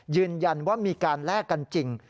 ยืนยันว่ามีการแลกกันจริง